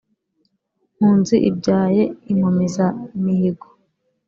mpunzi ibyaye inkomezamihigo,